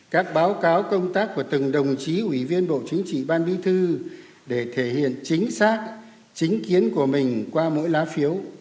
các báo cáo công tác của từng đồng chí ủy viên bộ chính trị ban bí thư để thể hiện chính xác chính kiến của mình qua mỗi lá phiếu